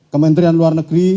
kementerian luar negeri